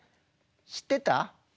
知ってた？